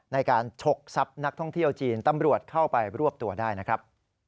ฉกทรัพย์นักท่องเที่ยวจีนตำรวจเข้าไปรวบตัวได้นะครับ